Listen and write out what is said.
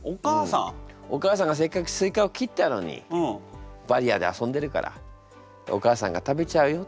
お母さんがせっかくスイカを切ったのにバリアーで遊んでるからお母さんが食べちゃうよっていうね。